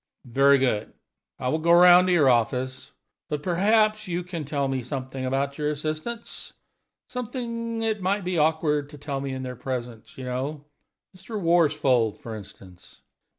"Very good; I will go round to your office. But first perhaps you can tell me something about your assistants something it might be awkward to tell me in their presence, you know. Mr. Worsfold, for instance?"